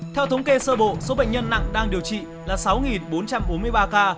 theo thống kê sơ bộ số bệnh nhân nặng đang điều trị là sáu bốn trăm bốn mươi ba ca